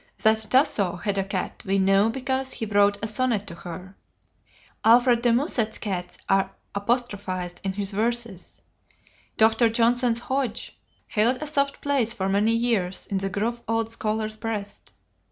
That Tasso had a cat we know because he wrote a sonnet to her. Alfred de Musset's cats are apostrophized in his verses. Dr. Johnson's Hodge held a soft place for many years in the gruff old scholar's breast.